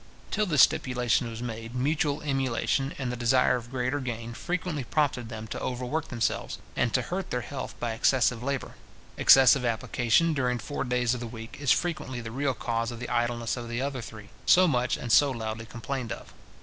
Till this stipulation was made, mutual emulation, and the desire of greater gain, frequently prompted them to overwork themselves, and to hurt their health by excessive labour. Excessive application, during four days of the week, is frequently the real cause of the idleness of the other three, so much and so loudly complained of.